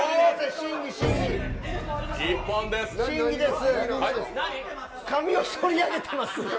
審議です。